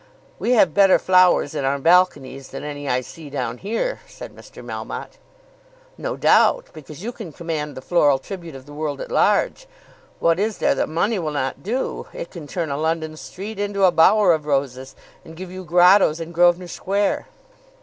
"We have better flowers in our balconies than any I see down here," said Mr. Melmotte. "No doubt; because you can command the floral tribute of the world at large. What is there that money will not do? It can turn a London street into a bower of roses, and give you grottoes in Grosvenor Square."